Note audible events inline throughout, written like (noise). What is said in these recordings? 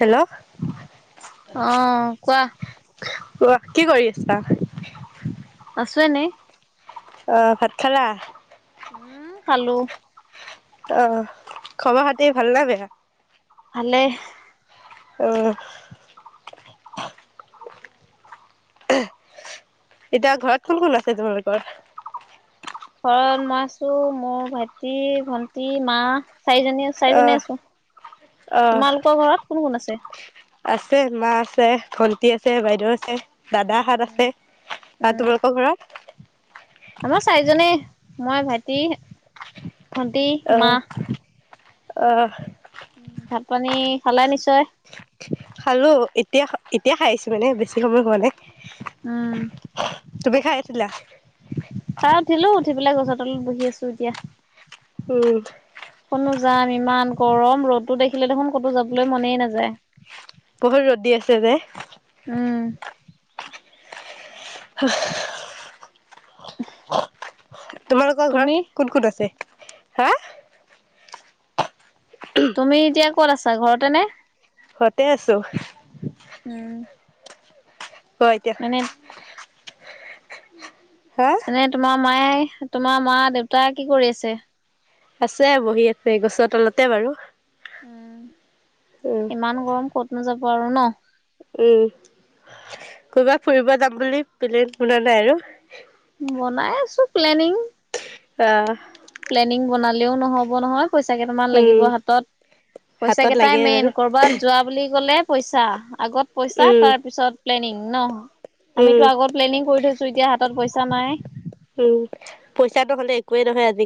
Hello অঁ কোৱা? কি কৰি আছা? আছো এনেই। আহঁ ভাত খালা? উম খালো। আঁহ খবৰ- খাতি ভাল না বেয়া? ভালে। উম। এতিয়া ঘৰত কোন কোন আছে তোমালোকৰ? ঘৰত মই আছো, মোৰ ভাইটি, ভন্টি, মা। চাৰিজনী আহ -চাৰিজনী আছো। আহ, তোমালোকৰ ঘৰত কোন কোন আছে আছে মা আছে। ভণ্টি আছে, বাইদেউ আছে, দাদ হাত আছে উম বা তোমালোকৰ ঘৰত? আমাৰ চাৰিজনে মই, ভাইটি, ভন্টি, মা। অঁ। উম ভাত- পানী খালে নিশ্চয়! খালো, এতিয়া এতিয়া খাইছো মানে বেছি সময় হোৱা নাই। উম। তুমি খাই উঠিলা? খাই উঠিলো, উঠি পেলাই গছৰ তলত বহি আছো এতিয়া। উম। কনো যাম ইমান গৰম ৰ'দো দেখিলে দেখোন ক'তো যাবলৈ মনে নাযায়। বহুত ৰ'দ দি আছে যে। উম। উফ। (inaudible) তোমালোকৰ তুমি ঘৰত কোন ক'ত আছে হা? তুমি এতিয়া ক'ত আছা ঘৰতে নে? ঘৰতে আছো। উম ক এতিয়া? মানে হা এনে তোমাৰ মায়ে, তোমাৰ মা- দেউতাই কি কৰি আছে? আছে বহি আছে গছৰ তলতে বাৰু। উম', উম ইমান গৰম কত নোযাব আৰু ন? উম ক'বা ফুৰিব যাম বুলি পেলেন শুনা নাই আৰু। বনাই আছো প্লেনিং। আহ। প্লেনিং বনালেও নহ'ব নহয়। পইচা কেইটামান উম লাগিব হাতত, পইচা হাতত কেইটাই লাগে মেইন বাৰু কৰবাত যোৱা বুলি ক'লে পইচা, আগত পইচা উম তাৰ পিছত প্লেনিং ন। উম আমিতো আগত প্লেনিং কৰি থৈছো, এতিয়া হাতত পইচা নাই। সেইটো হ'লে একোৱে নহয় আজি।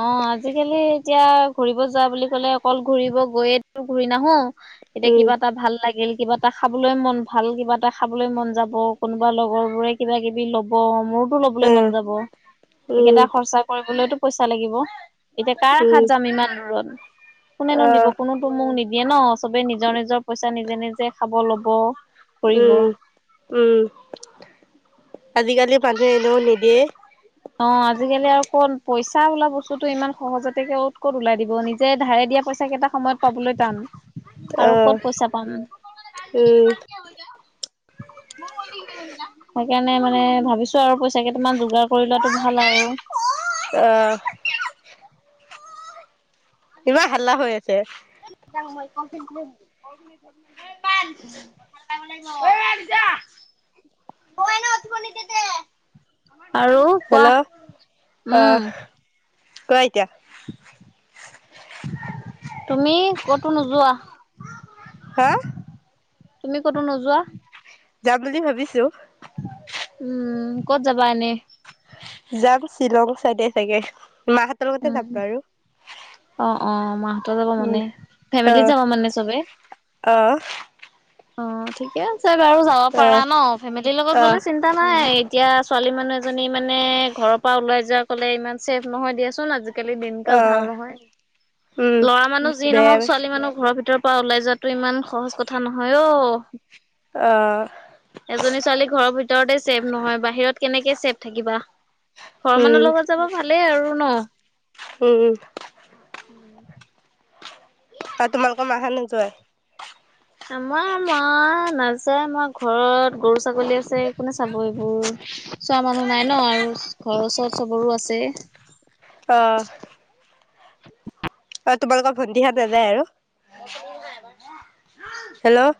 অ আজিকালি এতিয়া ঘুৰিব যোৱা বুলি কলে অকল ঘূৰিব গৈয়েতো ঘূৰি নাহো। এতিয়া উম কিবা এটা ভাল লাগিল। কিবা এটা খাবলৈ মন ভাল কিবা এটা খাবলৈ মন যাব, কোনোবা লগৰবোৰে কিব -কিবি ল'ব মোৰ লবলৈ মন আহ যাব, উম সেইকেইটা খৰচা কৰিবলৈতো পইচা লাগিব। এতিয়া কাৰ উম আশাত যাম ইমান দূৰত, কোনেনো দিব আহ কোনোতো মোক নিদি দিয়ে ন চবে নিজৰ নিজৰ পইচা নিজে নিজে খাব ল'ব কৰিব উম, উম। আজিকালি মানুহ এন নিদিয়ে। অ', আজিকালি আৰু কত পইচা ওলা বস্তুতটো ইমান সহজতে ক'ত-ক'ত ওলাই দিব নিজে ধাৰে দি তি পইচা কেইটা সময়ত পাবলৈ টান আৰু আহ ক'ত পইচা পাম? (inaudible) সেইকাৰণে মানে ভাবিছো আৰু পইচা কেইটামান যোগাৰ কৰি লোৱাাতটো ভাল আৰু। অ'। ইমান হাল্লা হৈ আছে? (unintelligible) ব ন অথিব ন তেতে আৰু কোৱা? হেল্ল' উম'। কুৱা এতিয়া। তুমি ক'তো নোযোৱা? হা তুমি ক'তো নোযোৱা? যাম বুলি ভাবিছো। উম', ক'ত যাবা এনে? যাম শ্বিলং চাইডে চাগে, মাহাহতৰ লগতে যাম বাৰু। অ'-অ', মাহঁতৰ যাব উম মানে। ফেমিলি আহ যাব মানে চবে? আহ অ', ঠিকে আছে বাৰু যাব আহ পাৰা ন, ফেমিলিৰ লগত গলে চিন্তা নাই। এতিয়া ছোৱালী মানুহ এজনী মানে ঘৰৰ পৰা ওলাই যোৱা ক'লে ইমান চছেফ নহয় দিয়াচোন আজি আজিকালি দিনকাল ভাল নহয়। উম লৰা মানুহ যি নহওক বেৰ ছোৱালী মানুহ ঘৰৰ ভিতৰৰ পৰা ওলাই যোৱাাতটো ইমান সহজ কথা নহয় অ। আহ এজনী ছোৱালী ঘৰৰ ভিতৰতে চছেভ নহয় বাহিৰত কেনেকে চেফ থাকিবা ঘৰৰ মানুহৰ উম লগত যাব ভালেই আৰু ন? উম'। উম'। আৰু তোমালোকৰ মহে নযোৱায়? মাৰ মা নাযায় মই ঘৰত গৰু ছাগলী আছে কোনে চাব এইবোৰ? চোৱা মানুহ নাই ন আৰু ঘৰৰ ওচৰত চবৰো আছে। অ'। অ', তোমালোকৰ ভন্টিহত নাযায় আৰু? হেল্ল'?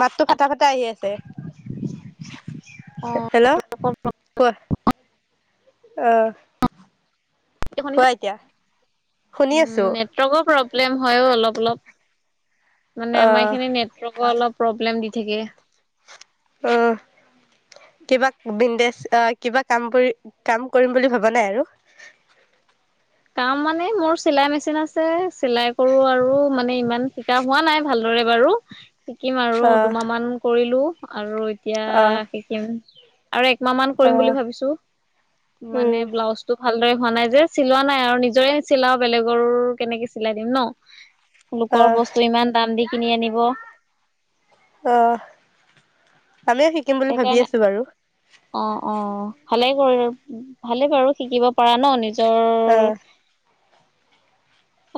মাতো ফাটা-ফাটা আহি আছে। হেল্ল', কোৱা? অহ এ‌ হুনিলা শুনি (inaudible) আছো উম নেটৱৰ্কৰ প্ৰব্লেম হয় অহ অলপ -অলপ। মানে আমাৰ এই আহ খিনি নেটৱৰ্ক অলপ প্ৰব্লেম দি থাকে। অ'। কিবা বিন্দেজ কিবা কাম কৰি কাম কৰিম বুলি ভবা নাই আৰু? (inaudible) কাম মানে মোৰ চিলাই মেচিন আছে চিলাই কৰো আৰু মানে ইমান শিকা হোৱা নাই ভালদৰে বাৰ বাৰু শিকিম আৰু আহ দুমাহ মান কৰিলো। আৰু এতিয়া আহ শিকিম আৰু একমাহ মান কৰিম আহ বুলি ভাবিছো। মানে উম ব্লাউজ টো ভালদৰে হোৱা নাই যে চিলোৱা নাই আৰু নিজৰে চিলাও বেলেগৰ কেনেকে চিলাই দিম ন? লোকৰ আহ বস্তু ইমান দাম দি কিনি আনিব। অ'। সেইকাৰণে অ'- অ', ভালেই ভালে বাৰু শিকিব পৰাাৰ ন নিজৰ আহ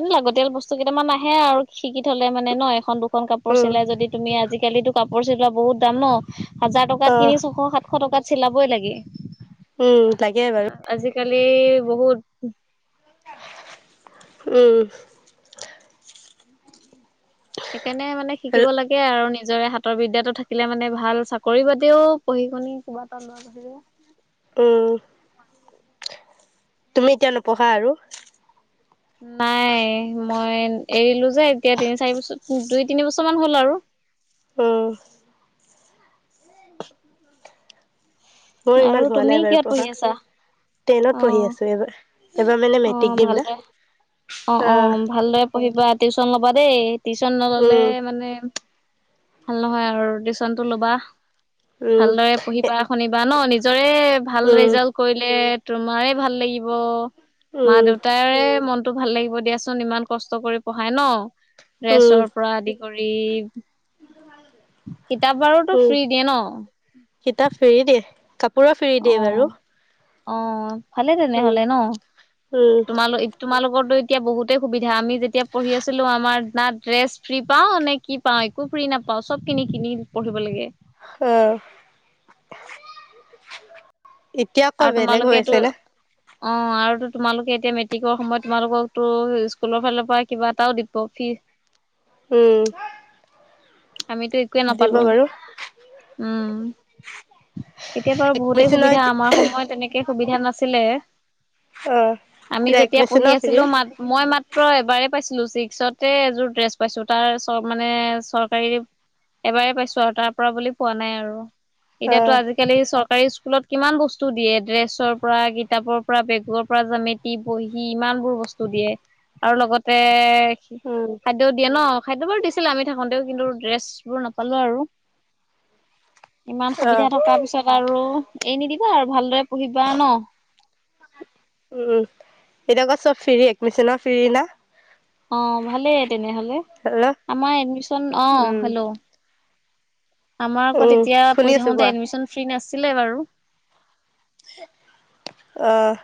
মে লাগতিয়াল বস্তু কেইটামান আহে আৰু শিকি থলে মানে ন এখন দুখন কাপোৰ উম চিলাই যদি তুমি আজি কালিতো কাপোৰ চিলোৱা বহুত দাম ন? হাজাৰ টকাত আহ কিনি ছশ সাতশ টকাত চিলাবই লাগে। উম', লাগে বাৰু। কালি বহুত উম সেইকাৰণে মানে শিকিব হেল্ল' লাগে আৰু নিজৰে হাতৰ বিদ্যাটো থাকিলে মানে ভাল চাকৰি বাদেও পঢ়ি -শুনি কিবা এটা (unintelligible) উম তুমি এতিয়া নপঢ়া আৰু? নাই মই এৰিলো যে এতিয়া তিনি -চাৰি বছৰ দুই -তিনি বছৰ মান হ'ল আৰু। উম মোৰ আৰু ইমান হোৱা তুমি নাই বাৰু কিহত পঢ়ি পঢ়া। আছা টেনত অ পঢ়ি আছো এইবাৰ এবাৰ মানে অ মেট্ৰিক দিম না। ভালদৰে অ', - অ', ভালদৰে পঢ়িবা টিউচন ল'বা দেই টিউচন ন'ললে উম, মানে ভাল নহয় আৰু টিউচন টো ল'বা উম, ভালদৰে পঢ়িবা শুনিবা ন' নি এ ভাল উম, ৰিজাল্ট কৰিলে তোমাৰে ভাল লাগিব মা উম, দেউতাৰে মন টো ভাল লাগিব দিয়াচোন ইমান কষ্ট কৰি পঢ়াই ন' উম, ড্ৰেছৰ পৰা আদি কৰি কিতাপ বাৰুতো উম, ফ্ৰী দিয়ে ন'? পুৰা ফ্ৰী অ দিয়ে বাৰো অ', ভালে তেনেহলে ন', উম, তোমালোক- তোমালোকৰ দ এতিয়া বহুতেই সুবিধা আমি যেতিয়া পঢ়ি আছিলোঁ আমাৰ না ড্ৰেছ ফ্ৰী পাওঁ নে কি পাওঁ একো ফ্ৰী নাপাওঁ। পাওঁ চব কিনি -কিনি পঢ়িব লাগে। অহ এতিয়া আকৌ বেলেগ হৈ আছেনে অহ, আৰুো তোমালোকে এতিয়া মেট্ৰিকৰ সময়ত তোমালোকক তো স্কুলৰ ফালৰ পৰা কিবা এটাও দিব ফ্ৰী। উম আমিতো একোৱেই দিব নাপালো। বাৰু। উম এতিয়া বাৰু এক বহুতেই মেচিনৰ অ', সুবিধা আমাৰ সময়ত তেনেকে সুবিধা নাছিল ছিলে (inaudible) আমি এতিয়া এক যেতিয়া পঢ়ি মেচিনৰ ফ্ৰী। আছিলো ম- মই মাত্ৰ এবাৰে পাইছিলো ছিক্সতে এযোৰ ড্ৰেছ পাইছো তাৰ চত মানে চত (unintelligible) এবাৰ পাইছো আৰু তাৰ পৰা বুলি পোৱা নাই আৰু এতিয়াতো অ', আজিকালি চৰকাৰী স্কুলত কিমান বস্তু দিয়ে ড্ৰেছৰ পৰা কিতাপৰ পৰা বেগৰ পৰা জামেটি বহি ইমানবোৰ ব বস্তু দিয়ে আৰু লগতে উম, খাদ্য দিয়ে ন' খাদ্য বাৰু দিছিল আমি থাকোতেও কিন্তু ড্ৰেছ বোৰ নাপালো আৰু (inaudible) ইমান অ', সুবিধা থকাৰ পিছত আৰু এ নিদিবা আৰু ভালদৰে পঢ়িবা ন উম, এতিয়া ক চব ফ্ৰী এডমিচনৰ ফ্ৰী না অহ, ভালেই তেনেহলে হেল্ল'? আমাৰ এডমিচন অ' উম, হেল্ল', আমাৰ আক উম, তেতিয়া শুনি পঢ়ি আছো থাকোতে কোৱা। এডমিচন ফ্ৰী নাছিলে বাৰু। (inaudible) অহ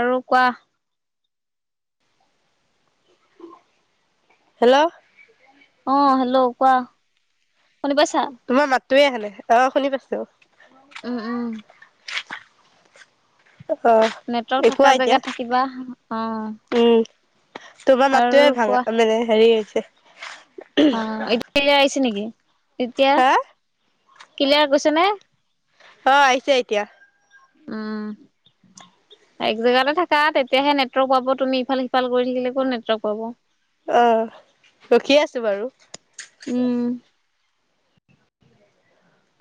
আৰু কোৱা? হেল্ল', অহ, হেল্ল' কোৱা? শুনি পাইছা তোমাৰ মাতটোৱে আহা নাই অহ শুনি পাইছো। উম- উম নেটৱৰ্ক কোৱা থকা এতিয়া জেগাত থাকিবা অ', উম, তোমাৰ মাত টো আৰু ভাঙা মানে হেৰি হৈছে অহ, (unintelligible) আহিছে নেকি? তেতিয়া হা কিলিয়াৰ কৈছ নে? অহ, আহিছে এতিয়া। উম এক জেগাতে থাকা তেতিয়াহে নেটৱৰ্ক পাব তুমি ইফাল -সিফাল কৰি থাকিলে ক' ত নেটৱৰ্ক পাব। অহ, ৰখি আছো বাৰু। উম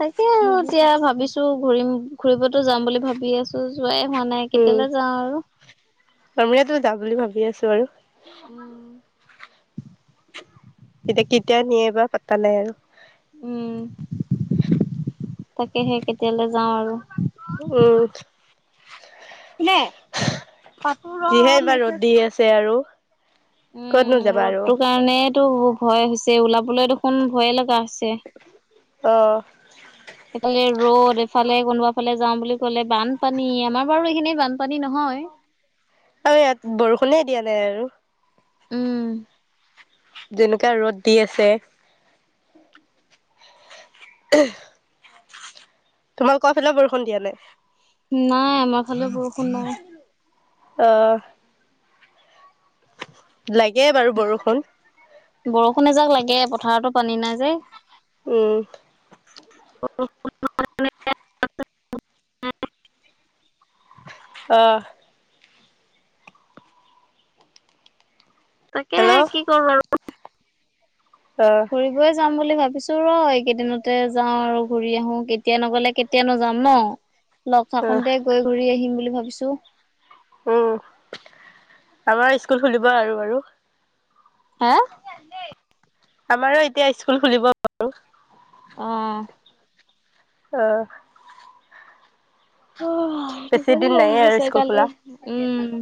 তাকে আৰু এতিয়া ভাবিছো ঘুৰিম ঘুৰিবতো যাম বুলি ভাবি আছো যোৱাই হোৱা নাই কেতিয়ালৈ যাওঁ আৰু অমীয়াতো যাম বুলি ভাবি আছো আৰু উম এতিয়া কেতিয়া নিয়ে বা পাতা নাই আৰু উম তাকেহে কেতিয়ালৈ যাওঁ আৰু উম, কোনে প ৰ যিহে ইমান মেছেজ ৰ'দ দি আছে আৰু ক'তনো উম যাবা আৰু ৰ'দটোৰ কাৰণে টো ভয় হৈছে ওলাবলৈ দেখোন ভয়ে লগা হৈছে অ এইফালে ৰ'দ এফালে কোনোবা ফালে যাওঁ বুলি ক'লে বানপানী আমাৰ বাৰু এইখিনি বানপানী নহয় আৰু ইয়াত বৰষুণে দিয়া নাই আৰু উম যেনেকোৱা ৰ'দ দি আছে উ তোমালক ফালো বৰষুণ দিয়া নাই নাই আমাৰ ফালো বৰষুণ নাই অহ লাগে বাৰু বৰষুণ বৰষুণ এজাক লাগে পথাৰতো পানী নাই যে উম (unintelligible) অহ তাকে হেল্ল' সে কি কৰো আৰু আহ ফুৰিব যাম বুলি ভাবি ভাবিছো ৰ এইকেইদিনতে যাও আৰু ঘূৰি আহো কেতিয়া নগলে কেতিয়ানো যাম ন লগ আহ থাকোতে গৈ ঘূৰি আহিম বুলি ভাবিছো উম আমাৰ স্কুল খুলিব আৰু বাৰু হা আমাৰো এতিয়া স্কুল খুলিব বাৰু অ। অ অহ', টোপনি লাগি নাইয়ে আৰু গৈছে স্কুল কালি, খোলা উম।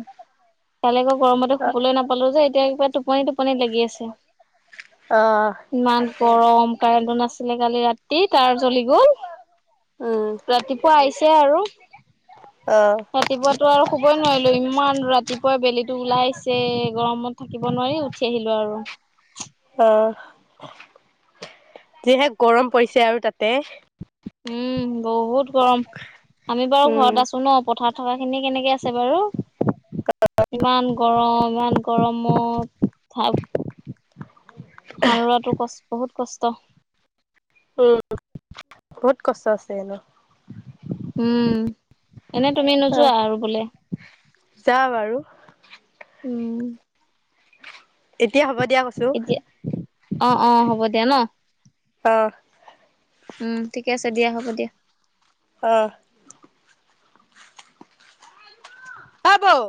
কালি আকৌ গৰমতে শুবলৈ নাপালো যে, এতিয়া কিবা টোপনি-টোপনি লাগি আছে। আহ ইমান গৰম, কাৰ অ নাছিলে কালি ৰাতি তাৰ জ্বলি গ'ল উম ৰাতিপুৱা আহিছে আৰু আহ ৰাতিপুৱাটো আৰু শুবই নোৱাৰি ইমান ৰাতিপুৱাই বেলিটো ওলাইছে গৰমত থাকিব নোৱাৰি উঠি আহিলো আৰু অ যিহে গৰম পৰিছে আৰু তাতে উম বহুত গৰম আমি বাৰু উম ঘৰত আছো ন পথাৰ থকা খিনি কেনেকে আছে বাৰু ইমান গৰম ইমান গৰমত ধাপ হালোৱাটো কষ্ট বহুত কষ্ট উম বহুত কষ্ট আছে হেনো উম এনে তুমি অ নোযোৱা আৰু বোলে যা বাৰু উম এতিয়া হ'ব দিয়া কৈছো এতিয়া অ অ হ'ব দিয়া ন অ উম ঠিকে আছে দিয়া হ'ব দিয়া অহ অহ বৌ